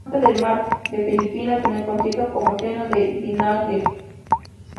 Es parte del Mar de Filipinas en el conocido como seno de Dinagat.